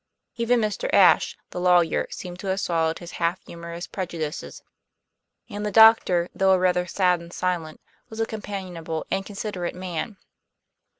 Even Mr. Ashe, the lawyer, seemed to have swallowed his half humorous prejudices; and the doctor, though a rather sad and silent, was a companionable and considerate man.